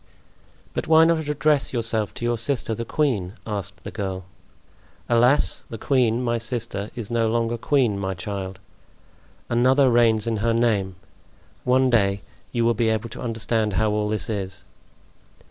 "But why not address yourself to your sister, the queen?" asked the girl. "Alas! the queen, my sister, is no longer queen, my child. Another reigns in her name. One day you will be able to understand how all this is."